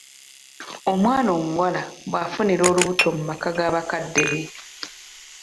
Omwana omuwala bw'afunira olubuto mu maka ga bakadde be.